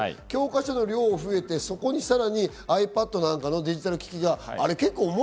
教科書の量が増えて、そこにさらにｉＰａｄなんかのデジタル機器が。